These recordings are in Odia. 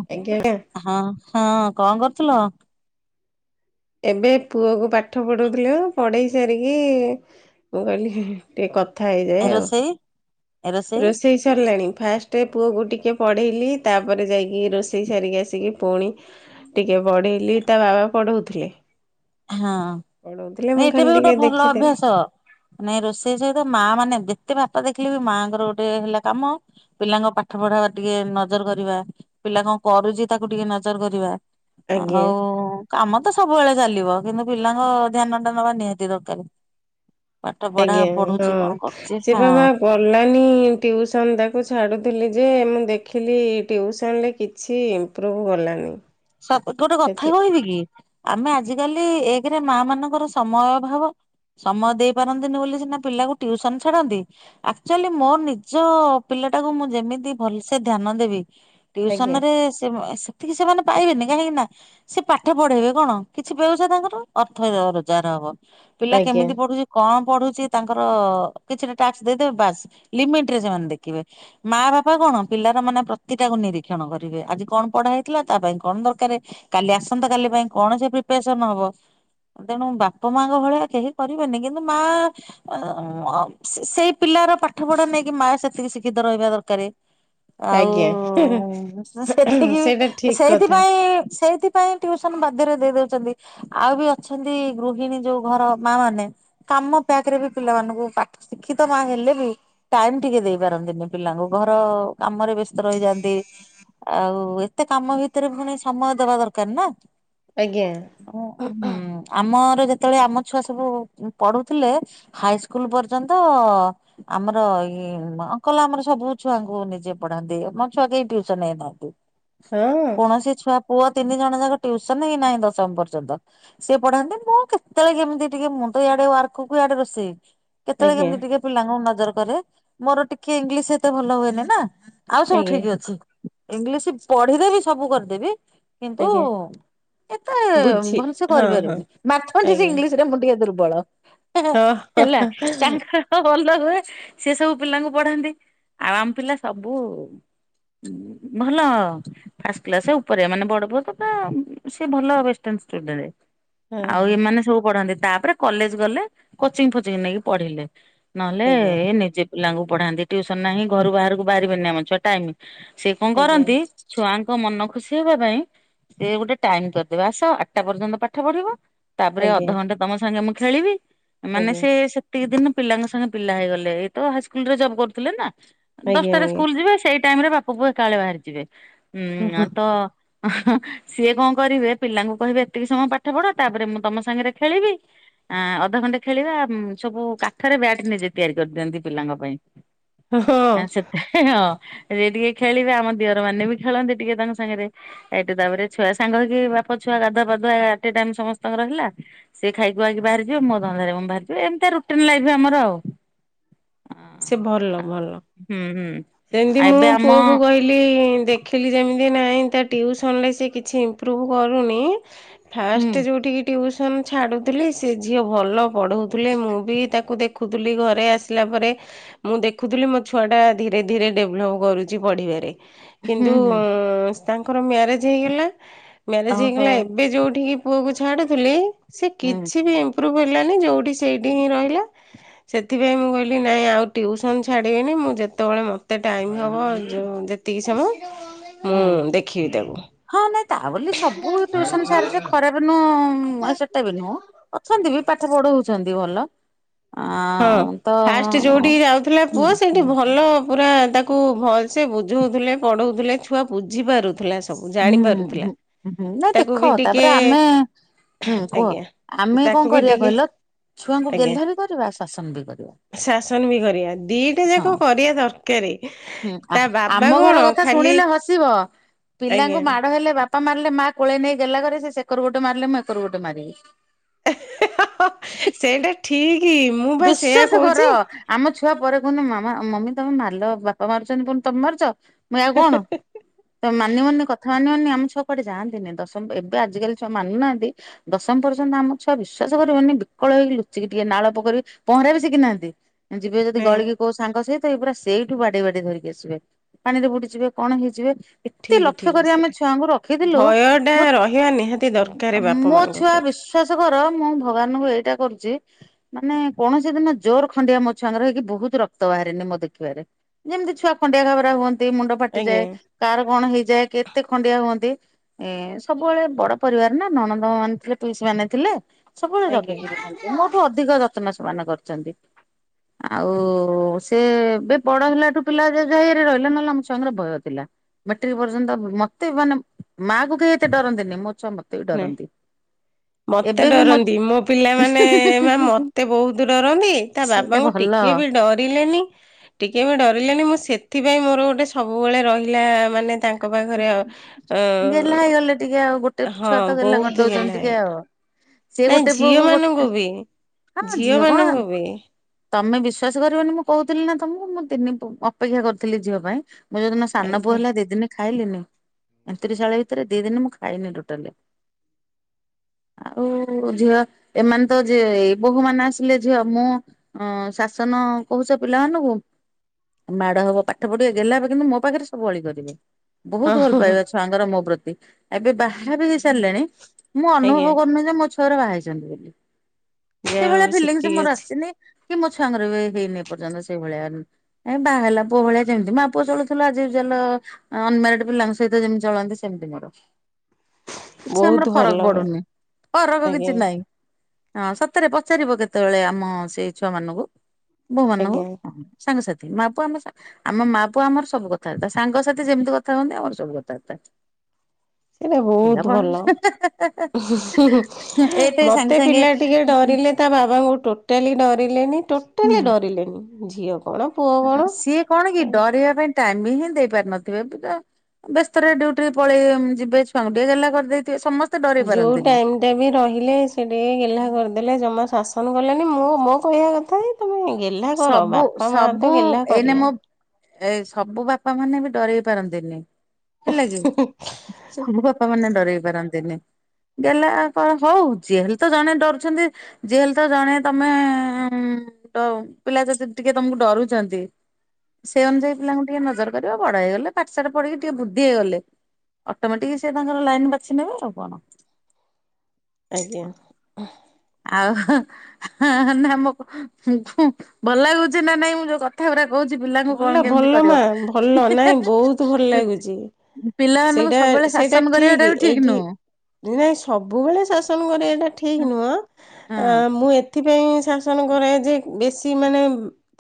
[unintelligible] ହଁ ହଁ କଣ କରୁଥିଲ? ଏବେ ପୁଅକୁ ପାଠ ପଢ଼ୁଥିଲୁ ପଢ଼େଇ ସାରିକି ମୁଁ କହିଲି ଏ କଥା ହେଇଯାଏ ଆଉ। ରୋଷେଇ ରୋଷେଇ ସରିଲାଣି ଫାଷ୍ଟ ଟେ ପୁଅକୁ ଟିକଏ ପଢ଼େଇଲି ତାପରେ ଯାଇକି ରୋଷେଇ ସାରିକି ଆସିକି ପୁଣି ଟିକେ ବଢେଇଲିି ତା ବାବା ପଢଉଥିଲେ। ହଁ ପଢଉଥିଲେ ମୁଁ ଏତେ ଖାଲି ବି ଗୋଟେ ଟିକେ ଭଲ ଦେଖିଦେଲି ଅଭ୍ୟାସ। ନାଇଁ ରୋଷେଇ ସହିତ ମା ମାନେ ଯେତେ ବାପା ଦେଖିଲେ ବି ମାଆଙ୍କର ଗୋଟେ ହେଲା କାମ ପିଲାଙ୍କ ପାଠ ପଢା ବା ଟିକେ ନଜର କରିବା ପିଲା କଣ କରୁଛି ତାକୁ ଟିକେ ନଜର କରିବା। ଆଜ୍ଞା ଆଉ କାମ ତ ସବୁବେଳେ ଚାଲିବ କିନ୍ତୁ ପିଲାଙ୍କ ଧ୍ୟାନ ଟା ନବା ନିହାତି ଦରକାର। ପାଠ ପଢା ଆଜ୍ଞା ପଢୁଛି କଣ କରୁଛି ହଁ। କଲାନି ଟ୍ୟୁସନ ତାକୁ ଛାଡ଼ୁଥିଲି ଯେ ମୁଁ ଦେଖିଲି ଟ୍ୟୁସନରେ କିଛି ପ୍ରୁଭ୍ ଗଲାନି। ସବୁଠୁ ଗୋଟେ ସେଥି କଥା କହିବି କି? ଆମେ ଆଜିକାଲି ଏକରେ ମା ମାନଙ୍କର ସମୟ ଅଭାବ। ସମୟ ଦେଇ ପାରନ୍ତିନି ବୋଲି ସିନା ପିଲାକୁ ଟିଇସନ ଛାଡନ୍ତି। ଆକ୍ଚୁଆଲି ମୋର ନିଜ ପିଲା ଟାକୁ ମୁଁ ଯେମିତି ଭଲସେ ଧ୍ୟାନ ଦେବି। ଆଜ୍ଞା ଟିଉସନ ରେ ସେ ସେତିକି ସେମାନେ ପାଇବେନି କାହିଁକି ନା ସେ ପାଠ ପଢେଇବେ କଣ କିଛି ବ୍ୟବସାୟ ତାଙ୍କର ଅର୍ଥ ରୋଜଗାର ହବ। ପିଲା ଆଜ୍ଞା କେମିତି ପଢୁଛି କଣ ପଢୁଛି ତାଙ୍କର କିଛିଟା ଟ୍ୟାକ୍ସ ଦେଇଦେବେ ବାସ୍ ଲିମିଟରେ ସେମାନେ ଦେଖିବେ। ମା ବାପା କଣ ପିଲାର ମାନେ ପ୍ରତିଟା କି ନିରୀକ୍ଷଣ କରିବେ ଆଜି କଣ ପଢା ହେଇଥିଲା? ତା ପାଇଁ କଣ ଦରକାର କାଲି ଆସନ୍ତା କାଲି ପାଇଁ କଣ ସେ ପ୍ରିପାରେସନ ହବ। ତେଣୁ ବାପା ମାଙ୍କ ଭଳିଆ କେହି କରିବେନି କିନ୍ତୁ ମା ସେଇ ପିଲାର ପାଠ ପଢା ନେଇକି ମା ସେତିକି ଶିକ୍ଷିତ ରହିବା ଦରକାର। ଆଜ୍ଞା ଆଉ ସେତିକି ସେଇଟା ଠିକ କଥା ସେଥିପାଇଁ ସେଇଥିପାଇଁ ଟିଉସନ ବାଧ୍ୟରେ ଦେଇ ଦଉଛନ୍ତି। ଆଉ ବି ଅଛନ୍ତି ଗୃହିଣୀ ଯୋଉ ଘର ମା ମାନେ। କାମ ପ୍ୟାକ ରେ ବି ପିଲାମାନଙ୍କୁ ପାଠ ଶିକ୍ଷିତ ମା ହେଲେ ବି ଟାଇମ ଟିକେ ଦେଇ ପାରନ୍ତିନି ପିଲାଙ୍କୁ ଘର କାମରେ ବ୍ୟସ୍ତ ରହିଯାଆନ୍ତି। ଆଉ ଏତେ କାମ ଭିତରେ ପୁଣି ସମୟ ଦବା ଦରକାର ନା। ଆଜ୍ଞା ଓ ହୁଁ। ଆମର ଯେତେବେଳେ ଆମ ଛୁଆ ସବୁ ପଢୁଥିଲେ ହାଇ ସ୍କୁଲ ପର୍ଯ୍ୟନ୍ତ ଆମର ଏଇ ଅଙ୍କଲ ଆମର ସବୁ ଛୁଆଙ୍କୁ ନିଜେ ପଢାନ୍ତି ଆମ ଛୁଆ କେହି ଟିଉସନ ହେଇନାହାନ୍ତି। ହଁ। କୌଣସି ଛୁଆ ପୁଅ ତିନି ଜଣ ଯାକ ଟିଉସନ ହିଁ ନାହିଁ ଦଶମ ପର୍ଯ୍ୟନ୍ତ। ସିଏ ପଢାନ୍ତି ମୁଁ କେତେବେଳେ କେମିତି ଟିକେ ମୁଁ ତ ଇଆଡେ ୱାର୍କକୁ ଇଆଡେ ରୋଷେଇ। କେତେବେଳେ ଆଜ୍ଞା କେମିତି ଟିକେ ପିଲାଙ୍କୁ ନଜର କରେ ମୋର ଟିକେ ଇଂଲିଶ ଏତେ ଭଲ ହୁଏନି ନା। ଆଉ ସବୁ ଆଜ୍ଞା ଠିକ ଅଛି ଇଂଲିଶ ପଢିଦେବି ସବୁ କରିଦେବି। କିନ୍ତୁ ଆଜ୍ଞା ଏତେ ବୁଝି ଭଲସେ ହଁ ହଁ କରିପାରିବିନି ମାଥମେଟିକ୍ସ ଆଜ୍ଞା ଇଂଲିଶ ରେ ମୁଁ ଟିକେ ଦୂର୍ବ ବଳ ହେଁ ହଁ ହଁ ହେଲା ତାଙ୍କର ହଁ ଭଲ ହୁଏ ସେ ସବୁ ପିଲାଙ୍କୁ ପଢାନ୍ତି ଆଉ ଆମ ପିଲା ସବୁ ଭଲ ଫାସକ୍ଲାସ ଉପରେ ମାନେ ବଡ ପୁଅ ତ ତା ସେ ଭଲ ବେଷ୍ଟେଣ୍ଟ ଷ୍ଟୁଡେଣ୍ଟ। ଆଉ ହଁ ଏମାନେ ସବୁ ପଢନ୍ତି ତାପରେ କଲେଜ ଗଲେ କୋଚିଂ ଫୋଚିଂ ନେଇକି ପଢିଲେ। ନହେଲେ ଆଜ୍ଞା ଏ ନିଜେ ପିଲାଙ୍କୁ ପଢାନ୍ତି ଟିଉସନ ନାହିଁ ଘରୁ ବାହାରକୁ ବାହାରିବେନି ଆମ ଛୁଆ ଟାଇମ। ସେ କଣ ଆଜ୍ଞା କରନ୍ତି ଛୁଆଙ୍କ ମନ ଖୁସି ହବା ପାଇଁ ସେ ଗୋଟେ ଟାଇମ କରିଦେବେ ଆସ ଆଠଟା ପର୍ଯ୍ୟନ୍ତ ପାଠ ପଢିବ ତାପରେ ଆଜ୍ଞା ଅଧଘଣ୍ଟା ତମ ସାଙ୍ଗେ ମୁଁ ଖେଳିବି ମାନେ ଆଜ୍ଞା ସେ ସେତିକି ଦିନ ପିଲାଙ୍କ ସାଙ୍ଗେ ପିଲା ହେଇଗଲେ ଏଇ ତ ହାଇସ୍କୁଲ ରେ ଜବ୍ କରୁଥିଲେ ନା। ଆଜ୍ଞା ଦଶଟାରେ ଆଜ୍ଞା ସ୍କୁଲ ଯିବେ ସେଇ ଟାଇମରେ ବାପା ପୁଅ ଏକାବେଳେ ବାହାରି ଯିବେ ଉଁ ତ ସିଏ କଣ କରିବେ ପିଲାଙ୍କୁ କହିବେ ଏତିକି ସମୟ ପାଠ ପଢ ତାପରେ ମୁଁ ତମ ସାଙ୍ଗରେ ଖେଳିବି ଆ ଅଧଘଣ୍ଟେ ଖେଳିବା ସବୁ କାଠରେ ବ୍ୟାଟ ନିଜେ ତିଆରି କରିଦିଅନ୍ତି ପିଲାଙ୍କ ପାଇଁ। ଆ ହଁ ସେତ ହଁ ସେ ଟିକେ ଖେଳିବେ ଆମ ଦିଅ ର ମାନେ ବି ଖେଳନ୍ତି ଟିକେ ତାଙ୍କ ସାଙ୍ଗରେ। ଏଇଠି ତାପରେ ଛୁଆ ସାଙ୍ଗ କି ବାପ ଛୁଆ ଗାଧୁଆ ପାଧୁଆ ଅଟେ ଟାଇମ ସମସ୍ତଙ୍କର ହେଲା। ସେ ଖାଇ ଖୁଆକି ବାହାରିଯିବେ ମୋ ଧନ୍ଦାରେ ମୁ ବାହାରଯିବି ଏମିତିଆ ରୁଟିନ ଲାଇଫ ଆମର ଆଉ। ସିଏ ଭଲ ଆଉ ଭଲ। ହୁଁ ହୁଁ। ସେମିତି ମୁଁ ଏବେ ଆମ ପୁଅକୁ କହି ଦେଖିଲି ଯେମିତି ନାଇ ତା ଟିଉସନରେ ସେ କିଛି ଇମ୍ପ୍ରୁଭ କରୁନି। ହୁଁ ଫାଷ୍ଟ ଯୋଉଠିକି ତିଉସନ ଛାଡୁଥିଲି ସେ ଝିଅ ଭଲ ପଢ଼ଉଥିଲେ ମୁଁ ବି ତାକୁ ଦେଖ ଦେଖୁଥିଲି ଘରେ ଆସିଲା ପରେ ମୁଁ ଦେଖୁଥିଲି ମୋ ଛୁଆଟା ଧୀରେ ଧୀରେ ଡେଭଲପ୍ କରୁଛି ପଢ଼ିବାରେ ହୁଁ କିନ୍ତୁ ହୁଁ ତାଙ୍କର ମ୍ୟାରେଜ ହେଇଗଲା ମ୍ୟାରେଜ ଓହୋ ହେଇଗଲା ଏବେ ଯୋଉଠିକି ପୁଅକୁ ଛାଡୁଥିଲି ସେ ହୁଁ କିଛି ବି ଇମ୍ପ୍ରୁଭ୍ ହେଲାନି ଯେଉଠି ସେଇଠି ହିଁ ରହିଲା। ସେଥିପାଇଁ ମୁଁ କହିଲି ନାଇଁ ଆଉ ଟ୍ୟୁସନ ଛାଡ଼ିବିନି ମୁଁ ଯେ ସେତେବେଳେ ମୋତେ ଟାଇମ୍ ହେବ ଯେଉଁ ଯେତିକି ସମୟ ମୁଁ ହୁଁ ଦେଖିବି ତାକୁ ହଁ ନାଇଁ ତା ବୋଲି ସବୁ ଟ୍ୟୁସନ ସାର ଯେ ଖରାପ୍ ନୁହଁ ସେଟା ବି ନୁହଁ ଅଛନ୍ତି ବି ପାଠ ପଢଉଛନ୍ତି ଭଲ ଆ ହଁ ତ ଫାଷ୍ଟ ଯୋଉଠିକି ଯାଉଥିଲା ହୁଁ ପୁଅ ସେଇଠି ହୁଁ ଭଲ ପୁରା ତାକୁ କୁ ଭଲ ସେ ବୁଝୋଉଥିଲେ ପଢଉଥିଲେ ଛୁଆ ବୁଝି ପାରୁଥିଲା ସବୁ ଜାଣି ହୁଁ ହଁ ପାରୁଥିଲା ହୁଁ ନାଇଁ ତାକୁ ଦେଖ ବି ଟିକେ ତାପରେ ଆମେ ହୁଁ କୁହ ଆଜ୍ଞା। ଆମେ କଣ ତାକୁ ବି କରିବା ଟିକେ କହିଲ ଛୁଆଙ୍କୁ ଆଜ୍ଞା ଗେଲ୍ହା ବି କରିବା ଶାସନ ବି କରିବା। ଶାସନ ବି କରିବା ଦିଟା ହଁ ଯାକ କରିବା ଦରକାରେ। ତା ବାବା କଣ ଖାଲି ଯିବ ଆଜ୍ଞା। ପିଲାଙ୍କୁ ମାଡ଼ ହେଲେ ବାପା ମାରିଲେ ମା କୋଳେଇ ନେଇ ଗେଲ୍ହା କରେ ସେ ସେକରୁ ଗୋଟେ ମାରିଲେ ମୁଁ ଏକରୁ ଗୋଟେ ମାରିବି। ହା ହା ସେଇଟା ଠିକ ମୁଁ ପା ସେଇଆ ବିଶ୍ଵାସ କର କହୁଛି। ଆମ ଛୁଆ ପରେ କୁହନ୍ତି। ମାମା ମମି ତମେ ମାରିଲ ବାପା ମାରୁଛନ୍ତି ପୁଣି ତମେ ମାରୁଛ। ମୁଇ ଆଉ କଣ? ତମେ ମାନିବନି କଥା ମାନିବନି। ଆମ ଛୁଆ କୁଆଡେ ଯାଆନ୍ତିନି ଦଶମ ଏବେ ଆଜିକାଲି ଛୁଆ ମାନୁନାହାନ୍ତି ଦଶମ ପର୍ଯ୍ୟନ୍ତ ଆମ ଛୁଆ ବିଶ୍ୱାସ କରିବନି ବିକଳ ହେଇକି ଲୁଚିକି ଟିକେ ନାଳ ପୋଖରୀ ପହଁରା ବି ଶିଖିନାହାନ୍ତି। ଯିବେ ଯଦି ନାଇଁ ଗଳିକି କୋଉ ସାଙ୍ଗ ସହିତ ଏଇ ପୁରା ସେଇଠୁ ବାଡେଇ ବାଡେଇ ଧରିକି ଆସିବେ। ପାଣି ରେ ବୁଡିଯିବେ କଣ ହେଇଯିବେ ଏତେ ଠିକ ଲକ୍ଷ୍ୟ ଠିକ କରି ଆମେ ସେଇଟା ଛୁଆଙ୍କୁ ରଖିଥିଲୁ ଭୟ ଟା ମୁଁ ରହିବା ନିହାତି ଦରକାର ବାପା ମୋ ମାଙ୍କ ଛୁଆ ପ୍ରତି। ବିଶ୍ ଶ୍ଵାସ କର ମୁଁ ଭଗବାନଙ୍କୁ ଏଇଟା କରୁଛି। ମାନେ କୌଣସି ଦିନ ଜୋର ଖଣ୍ଡିଆ ମୋ ଛୁଆଙ୍କର ହେଇକି ବହୁତ ରକ୍ତ ବାହାରିନି ମୋ ଦେଖିବାରେ। ଯେମିତି ଛୁଆ ଖଣ୍ଡିଆ ଖାବରା ହୁଅନ୍ତି ମୁଣ୍ଡ ଆଜ୍ଞା ଫାଟିଯାଏ କାହାର କଣ ହେଇଯାଏ। କେତେ ଖଣ୍ଡିଆ ହୁଅନ୍ତି। ଏ ସବୁବେଳେ ବଡ ପରିବାର ନା ନଣନ୍ଦ ମାନେ ଥିଲେ ପିଇସୀ ମାନେ ଥିଲେ ସବୁବେଳେ ଆଜ୍ଞା ଜଗିକି ରୁହନ୍ତି। ମୋଠୁ ଅଧିକ ଯତ୍ନ ସେମାନେ କରିଛନ୍ତି। ଆଉ ସେ ଏବେ ବଡ ହେଲାଠୁ ପିଲା ଯେଝା ଇଏରେ ରହିଲେ। ନହେଲେ ଆମ ଛୁଆଙ୍କର ଭୟ ଥିଲା। ମେଟ୍ରିକ ପର୍ଯ୍ୟନ୍ତ ମତେ ମାନେ ମାକୁ କେହି ଏତେ ଡରନ୍ତିିନି। ମୋ ଛୁଆ ମତେ ବି ନାଇଁ ଡରନ୍ତି। ମତେ ଏବେ ବି ଡରନ୍ତି। ମୋ ପିଲାମାନେ ମତେ ବହୁତ ଡରନ୍ତି। ତା ସେଇଟା ବାବାଙ୍କୁ ଭଲ। ଟିକେ ବି ଡରିଲେନି ଟିକେ ବି ଡରିଲେନି ମୁଁ ସେଥିପାଇଁ ମୋର ଗୋଟେ ସବୁବେଳେ ରହିଲା ମାନେ ତାଙ୍କ ପାଖରେ ଗେହ୍ଲା ଅ ହେଇଗଲେ ଟିକେ ଆଉ ଗୋଟେ ହଁ ଛୁଆ ତ ଗେଲ୍ହା ବହୁତ କରିଦୋଉଛନ୍ତି ଗେହ୍ଲା ଟିକେ ହେ ଆଉ। ସିଏ ନାଇଁ ଗୋଟେ ଝିଅ ପୁଅକୁ ମାନଙ୍କୁ ଗୋଟେ ବି ହଁ ଝିଅ କଣ ମାନଙ୍କୁ ବି ତମେ ବିଶ୍ଵାସ କରିବନି ମୁଁ କହୁଥିଲି ନା ତମକୁ ମୁଁ ତିନି ପୁ ଅପେକ୍ଷା କରିଥିଲି ଝିଅ ପାଇଁ। ମୁଁ ଯୋଉଦିନ ସାନ ପୁଅ ଆଜ୍ଞା ହେଲା ଦି ଦିନ ଖାଇଲିନି ଏନ୍ତୁରିଶାଳ ଭିତରେ ଦି ଦିନ ମୁଁ ଖାଇନି ଟୋଟାଲେ। ଆଉ ଝିଅ ଏମାନେ ତ ଯେ ଏବକୁ ମାନେ ଆସିଲେ ଝିଅ ମୁଁ ଆଁ ଶାସନ କହୁଛ ପିଲାମାନଙ୍କୁ ମାଡ ହବ ପାଠ ପଢିବେ ଗେଲ୍ହା ହେବେ କିନ୍ତୁ ମୋ ପାଖେରେ ସବୁ ଅଳି କରିବେ। ବହୁତ୍ ହଁ ଭଲ ହଁ ହଁ ପାଇବା ଛୁଆଙ୍କର ମୋ ପ୍ରତି ଏବେ ବାହା ବି ହେଇସାରିଲେଣି ମୁଁ ଆଜ୍ଞା ଅନୁଭବ କରୁନି ଯେ ମୋ ଛୁଆଗୁରା ବାହାହେଇଛନ୍ତି ବୋଲି। ଯାହା ହଉ ସେଇଭଳିଆ ଫିଲିଂସ୍ ସେତିକି ମୋର ଅଛି ଆସିନି। କି ମୋ ଛୁଆଙ୍କର ବି ହେଇନି ଏ ପର୍ଯ୍ୟନ୍ତ ସେଇଭଳିଆ ଏ ବାହେଲା ପୁଅ ଭଳିଆ ଯେମିତି ମାଆ ପୁଅ ଚଳୁଥିଲୁ ଆଜ ୟୁଜୁଆଲ ଅନମ୍ୟାରେଡ୍ ପିଲାଙ୍କ ସହିତ ଯେମିତି ଚଳନ୍ତି ସେମିତି ମୋର। କିଛି ଆମର ବହୁତ ଫରକ୍ ଭଲ ପଡୁନି ଫରକ ଆଜ୍ଞା କିଛି ନାହିଁ। ହଁ ସତରେ ପଚାରିବ କେତେବେଳେ ଆମ ସେଇ ଛୁଆ ମାନଙ୍କୁ ବୋହୂ ମାନଙ୍କୁ। ଆଜ୍ଞା ସାଙ୍ଗସାଥି ମା ପୁଅ ଆମ ଆମ ମା ପୁଅ ଆମର ସବୁ କଥାବାର୍ତ୍ତା ସାଙ୍ଗସାଥି ଯେମିତି କଥା ହୁଅନ୍ତି ଆମର ସବୁ କଥାବାର୍ତ୍ତା। ଏଟା ପିଲା ବ ବହୁତ ଭଲ। ହି ହି ଏଇଠି ସାଙ୍ଗେ ମତେ ସାଙ୍ଗେ ପିଲା ଟିକେ ଡରିଲେ ତା ବାବାଙ୍କୁ ଟୋଟାଲି ଡରିଲେନି ହୁଁ ଟୋଟାଲି ଡରିଲେନି ଝିଅ କଣ ପୁଅ କଣ ସିଏ କଣ କି ଡରିବା ପାଇଁ ଟାଇମ ବି ହିଁ ଦେଇ ପାରିନଥିବେ ଏବେ ତ ବ୍ୟସ୍ତରେ ଡ୍ୟୁଟି ପଳେଇ ଯିବେ ଛୁଆଙ୍କୁ ଟିକେ ଗେଲ୍ହା କରିଦେଇଥିବେ ସମସ୍ତେ ଡରେଇ ଯୋଉ ପାରନ୍ତିନି। ଟାଇମ୍ ରହିଲେ ସେ ଟିକେ ଗେଲ୍ହା କରିଦେଲେ ଜମା ଶାସନ କଲେନି ମୁଁ ମୋ କହିବା କଥା କି ସବୁ ସବୁ ଗେହ୍ଲା ଏଇନେ କରିବା ମୋ ଏଇ ସବୁ ବାପା ମାନେ ବି ଡରେଇ ପାରନ୍ତିନି ହେଲା କି। ସବୁ ବାପା ମାନେ ଡରେଇ ପାରନ୍ତିନି। ଗେଲ୍ହା କଣ ହୋଉ ଯିଏ ହେଲେ ତ ଜଣେ ଡରୁଚନ୍ତି ଯିଏ ହେଲେ ତ ଜଣେ ତମେ ଡ ଉ ପିଲା ଯଦି ଟିକେ ତମକୁ ଡରୁଚନ୍ତି। ସେ ଅନୁଯାୟୀ ପିଲାଙ୍କୁ ଟିକେ ନଜର କରିବ ବଡ ହେଇଗଲେ ପାଠସାଠ ପଢିକି ଟିକେ ବୁଦ୍ଧି ହେଇଗଲେ ଅଟମେଟିକ ସେ ତାଙ୍କର ଲାଇନ୍ ବାଛି ନେବେ ଆଉ କଣ। ଆଜ୍ଞା। ଆଉ ହ ହ ହ ନା ମୋ ଖୁଁ ଭଲ ଲାଗୁଚି ନା ନାଇଁ ମୁଁ ଯୋଉ କ କଥା ଗୁରା କୋଉଚି ପିଲାଙ୍କୁ କଣ ଭଲ କେମିତି ଭଲ କରିବ ମା ହିନ୍ ଭଲ ନାଇଁ ବହୁତ ଭଲ ହେ ହେ ଲାଗୁଛି ହେ। ପିଲାମାନଙ୍କୁ ସେଇଟା ସବୁବେଳେ ସେଇଟା ଶାସନ କରିବାଟା ବି ଠିକ ଏଇଠି ନୁହଁ। ନାଇଁ ସବୁବେଳେ ଶାସନ କରିବାଟା ଠିକ ନୁହଁ ଆ ହଁ ମୁଁ ଏ ଏଥି ପାଇଁ ଶାସନ କରାଏ ଯେ ବେଶୀ ମାନେ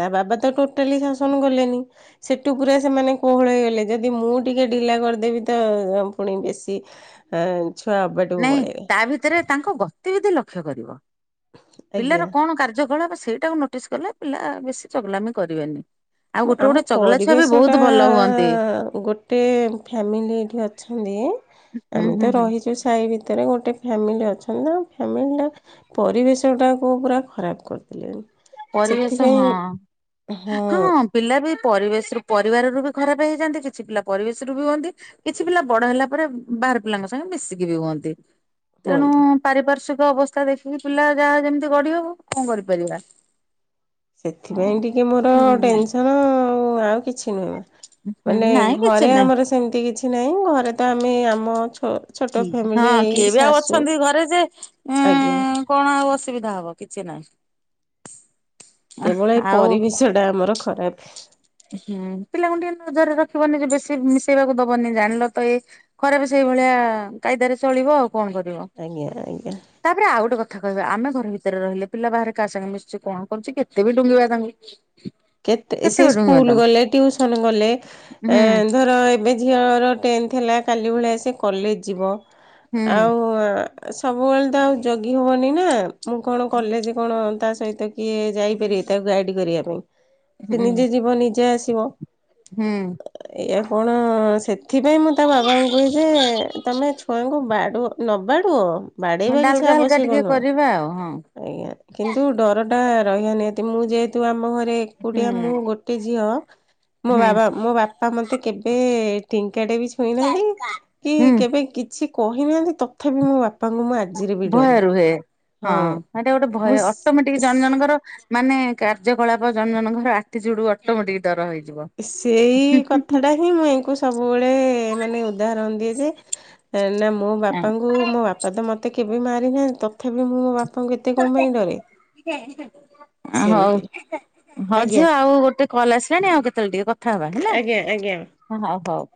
ତା ବାବା ତାକୁ ଟୋଟାଲି ଶାସନ କଲେନି। ସେଟୁ ପୁରା ସେମାନେ କୋହଳ ହେଇଗଲେ ଯଦି ମୁଁ ଟିକେ ଢିଲା କରିଦେବି ତ ପୁଣି ବେଶୀ ହଁ। ନାଇଁ ତା ଭିତରେ ତାଙ୍କର ଗତିବିଧି ଲକ୍ଷ୍ୟ କରିବ। ଆଜ୍ଞା ପିଲାର କଣ କାର୍ଯ୍ୟକଳାପ ସେଇଟାକୁ ନୋଟିସ୍ କଲେ ପିଲା ବେଶୀ ଚଗଲାମି କରିବେନି। ଆଉ ଗୋଟେ ଆମ ଗୋଟେ ଚଗଲା ଛୁଆ ବି ବହୁତ ପରିବେଶଟା ଭଲ ହୁଅନ୍ତି। ଗୋଟେ ଫ୍ୟାମିଲି ଏଇଠି ଅଛନ୍ତି ହୁଁ ଆମେ ହୁଁ ତ ହୁଁ ରହିଚୁ ସାହି ଭିତରେ ଗୋଟେ ଫ୍ୟାମିଲି ଅଛନ୍ତି ତାଙ୍କ ଫ୍ୟାମିଲିଟା ପରିବେଶଟାକୁ ପୁରା ଖରାପ କରିଦେଲେଣି। ପରିବେଶ ହଁ ସେଥିପାଇଁ ହଁ। ପିଲା ବି ପରିବେଶରୁ ପରିବାରରୁ ବି ଖରାପ ହେଇଯାଆନ୍ତି କିଛି ପିଲା ପରିବେଶରୁ ବି ହୁଅନ୍ତି। କିଛି ପିଲା ବଡ ହେଲା ପରେ ବାହାର ପିଲାଙ୍କ ସାଙ୍ଗେ ମିଶିକି ବି ହୁଅନ୍ତି। ତେଣୁ ହୁଅନ୍ତି। ପାରିପାସ୍ଵିକ ଅବସ୍ଥା ଦେଖିକି ପିଲା ଯାହା ଯେମିତି ଗଢ଼ି ହବ କଣ କରିପାରିବା। ସେଥିପାଇଁ ଟିକେ ମୋର ହୁଁ ଟେନସନ୍ ଆଉ ଆଉ କିଛି ନୁହେଁ ବା। ହୁଁ ମାନେ ନାଇଁ କିଛି ଘରେ ନାଇଁ ଆମର ସେମିତି କିଛି ନାହିଁ ଘରେ ତ ଆମେ ଆମ ଛ ହଁ କିଏ ବି ଆଉ ଅଛନ୍ତି ଘରେ ଯେ ଆଜ୍ଞା ଏଁ କଣ ଆଉ ଅସୁବିଧା ହବ କିଛି ନାହିଁ। କେବଳ ଏଇ ଆଉ ପରିବେଶ ଟା ଆମର ଖରାପ। ହୁଁ ପିଲାଙ୍କୁ ଟିକେ ନଜରରେ ରଖିବନି ଯେ ବେଶୀ ମିଶେଇବାକୁ ଦବନି ଜାଣିଲ ତ ଏ ଖରାପ ସେଇ ଭଳିଆ କାଇଦାରେ ଚଳିବ ଆଉ କଣ କରିବ। ଆଜ୍ଞା ଆଜ୍ଞା। ତାପରେ ଆଉ ଗୋଟେ କଥା କହିବା ଆମେ ଘର ଭିତରେ ରହିଲେ ପିଲା ବାହାରେ କାହା ସାଙ୍ଗେ ମିଶୁଚି କଣ କରୁଚି କେତେ ବି ଡୁଙ୍ଗିବା ତାଙ୍କୁ। କେତେ ସେ ବି ଡୁଙ୍ଗିବା ସ୍କୁଲ ତାଙ୍କୁ ଗଲେ ଟିଉସନ ଗଲେ ଏ ହୁଁ ଧର ଏବେ ଝିଅର ଟେନ୍ଥ ହେଲା କାଲି ଭଳିଆ ସେ କଲେଜ ଯିବ ହୁଁ ଆଉ ସବୁବେଳେ ତ ଆଉ ଜଗି ହବନି ନା ମୁଁ କଣ କଲେଜ କଣ ତା ସହିତ କିଏ ଯାଇପାରିବେ ତାକୁ ଗାଇଡ କରିବା ପାଇଁ ସେ ନିଜେ ଯିବ ନିଜେ ଆସିବ। ହୁଁ। ଏୟା କଣ ସେଥିପାଇଁ ମୁଁ ତା ବାବାଙ୍କୁ କୁହେ ଯେ ତମେ ଛୁଆଙ୍କୁ ବାଡୁଅ ନବାଡୁ ହୁଁ ବାଡେଇବା କିଛି ଡାଲକା ହାଲକା ଆବଶ୍ୟକ ଟିକେ ନୁହଁ। କରିବା ଆଉ ହଁ। ଆଜ୍ଞା କିନ୍ତୁ ଡରଟା ରହିବା ନିହାତି ମୁଁ ଯେହେତୁ ଆମ ଘରେ ଏକୁଟିଆ ହୁଁ ମୁଁ ଗୋଟେ ଝିଅ ମୋ ହୁଁ ବାବା ମୋ ବାପା ବାପା ମତେ କେବେ ଟିଙ୍କାଟେ ବି ଛୁଇଁନାହାନ୍ତି କି ହୁଁ କେବେ କିଛି କହିନାହାନ୍ତି ତଥାପି ମୋ ବାପା ପାଙ୍ଗୁ ମୁଁ ଆଜିରେ ବି ଭୟ ଡରେ। ରୁହେ। ହଁ ସେଟା ଗୋଟେ ଭୟ ମୁଁ ଅଟୋମେଟିକ୍ ଜଣ ଜଣଙ୍କର। ମାନେ କାର୍ଯ୍ୟକଳାପ ଜଣ ଜଣଙ୍କର ଆଟିଚ୍ୟୁଡ୍ ଅଟୋମେଟିକ୍ ଡର ହେଇଯିବ। ସେଇ କଥା ଟା ହଉ ହିଁ ମୁଁ ୟାଙ୍କୁ ସବୁବେଳେ ମାନେ ଉଦାହରଣ ଦିଏ ଯେ ହେଲେ ମୋ ବାପାଙ୍କୁ ମୋ ବାପା ତ ମୋତେ କେବେ ମାରି ନାହାଁ ତ ତଥାପି ମୁଁ ମୋ ବାପାଙ୍କୁ ଏତେ କଣ ପାଇଁ ଡରେ? ହଉ। ସେମିତି ହଉ ଆଜ୍ଞା ଝିଅ ଆଉ ଗୋଟେ କଲ୍ ଆସିଲାଣି ଆଉ କେତେବେଳେ ଟିକେ କଥା ହବା। ହେଲା, ଆଜ୍ଞା ଆଜ୍ଞା ହଁ ହଉ ହଉ।